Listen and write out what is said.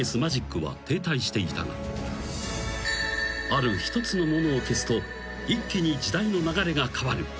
［ある一つのものを消すと一気に時代の流れが変わる］